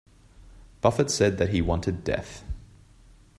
Buffet said that he wanted death.